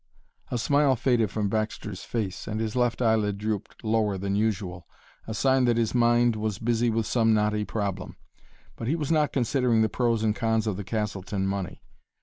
The smile faded from Baxter's face, and his left eyelid drooped lower than usual a sign that his mind was busy with some knotty problem. But he was not considering the pros and cons of the Castleton money.